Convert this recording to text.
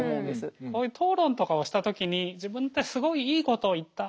こういう討論とかをした時に自分ってすごいいいことを言った。